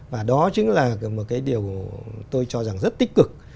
và đó chính là một cái điều tôi cho rằng rất tích cực